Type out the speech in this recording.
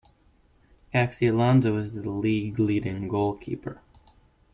Caccialanza was the league leading goalkeeper.